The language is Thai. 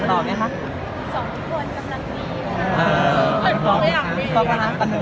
มีโครงการทุกทีใช่ไหม